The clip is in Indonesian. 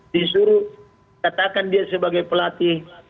disuruh katakan dia sebagai pelatih